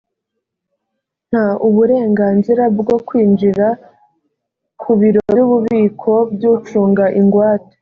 nta uburenganzirabwo kwinjira ku biroby’ububiko by’ucunga ingwate